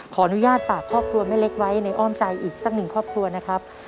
ขออนุญาตฝากครอบครัวแม่เล็กไว้ในอ้อมใจอีกสักหนึ่งครอบครัวนะครับ